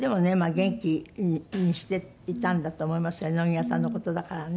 元気にしていたんだと思いますよ野際さんの事だからね。